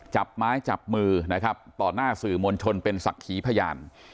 จับไม้จับมือนะครับต่อหน้าสื่อมวลชนเป็นศักดิ์ขีพยาน